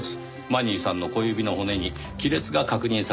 マニーさんの小指の骨に亀裂が確認されています。